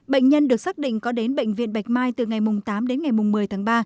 bệnh nhân được xác định có đến bệnh viện bạch mai từ ngày tám đến ngày một mươi tháng ba